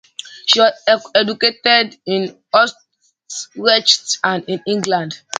She was educated in Utrecht and in England.